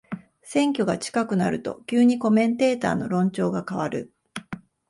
選挙が近くなると急にコメンテーターの論調が変わる